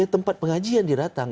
tempat pengajian dia datang